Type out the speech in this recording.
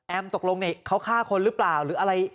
ตกลงเขาฆ่าคนหรือเปล่าหรืออะไร